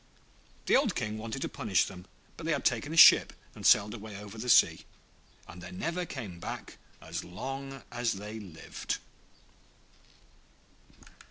The old King wanted to punish them, but they had taken a ship and sailed away over the sea, and they never came back as long as they lived.